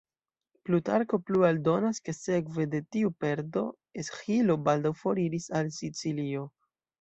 Plutarko plue aldonas ke sekve de tiu perdo Esĥilo baldaŭ foriris al Sicilio.